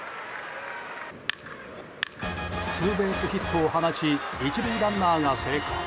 ツーベースヒットを放ち１塁ランナーが生還。